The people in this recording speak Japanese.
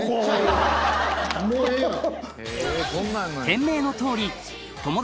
もうええやん。